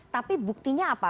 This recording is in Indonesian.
tapi buktinya apa